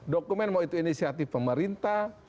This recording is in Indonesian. dokumen mau itu inisiatif pemerintah